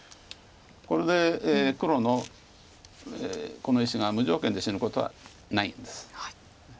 これで黒のこの石が無条件で死ぬことはないんです。